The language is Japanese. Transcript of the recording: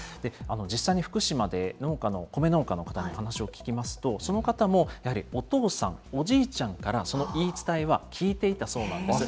実際に福島で米農家の方に話を聞きますと、その方も、やはりお父さん、お爺ちゃんからその言い伝えは聞いていたそうなんです。